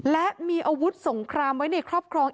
และมีอาวุธสงครามไว้ในครอบครอง